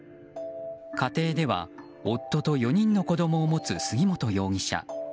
家庭では夫と４人の子供を持つ杉本容疑者。